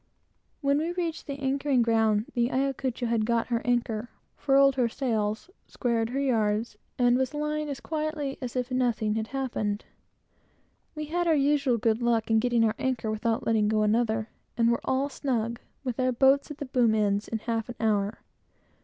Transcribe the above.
When we reached the anchoring ground, the Ayacucho had got her anchor, furled her sails, squared her yards, and was lying as quietly as if nothing had happened for the last twenty four hours. We had our usual good luck in getting our anchor without letting go another, and were all snug, with our boats at the boom ends, in half an hour.